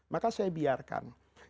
maka saya biarkan